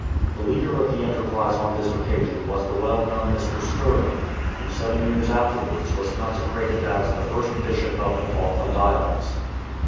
The leader of the enterprise on this occasion was the well known Mr. Stirling, who seven years afterwards w^as consecrated as the first Bishop of the Falkland Islands.